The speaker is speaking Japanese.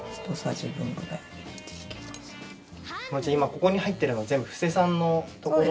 じゃあ今ここに入ってるの全部布施さんのところ。